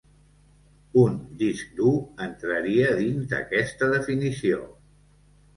Un disc dur entraria dins d'aquesta definició.